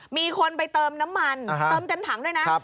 มีคนไปเติมน้ำมันเติมเต็มถังด้วยนะ